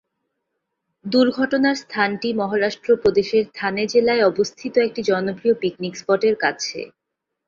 দুর্ঘটনার স্থানটি মহারাষ্ট্র প্রদেশের থানে জেলায় অবস্থিত একটি জনপ্রিয় পিকনিক স্পটের কাছে।